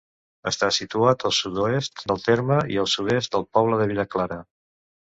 Està situat al sud-oest del terme i al sud-est del poble de Vilaclara.